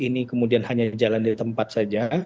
ini kemudian hanya jalan di tempat saja